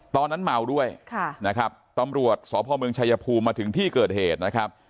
ตอนนั้นเมาด้วยนะครับตำรวจสพเมืองชายภูมิมาถึงที่เกิดเหตุนะครับ